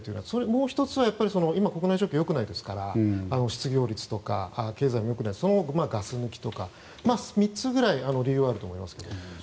もう１つは今、国内状況が良くないですから失業率、経済が良くないそのガス抜きとか、３つぐらい理由があると思います。